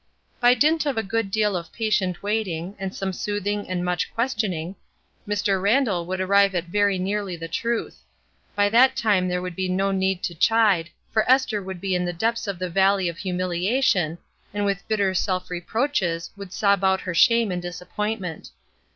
By dint of a good deal of patient waiting, and some soothing and much questioning, Mr. Randall would arrive at very nearly the truth. By that time there would be no need to chide, for Esther would be in the depths of the valley of humiliation, and with bitter self reproaches would sob out her shame and disappointment.